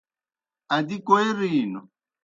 ادی کوئے رِینوْ؟